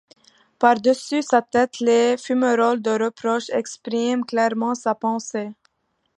Par-dessus sa tête, les fumerolles de reproches expriment clairement sa pensée.